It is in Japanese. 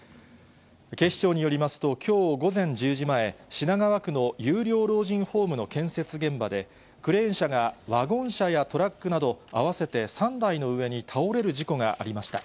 警視庁によりますと、きょう午前１０時前、品川区の有料老人ホームの建設現場で、クレーン車がワゴン車やトラックなど合わせて３台の上に倒れる事故がありました。